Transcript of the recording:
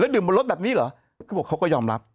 ดื่มบนรถแบบนี้เหรอเขาบอกเขาก็ยอมรับ